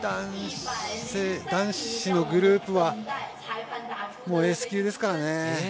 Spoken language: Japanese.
男子のグループはエース級ですからね。